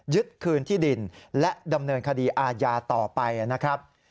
คืนที่ดินและดำเนินคดีอาญาต่อไปนะครับ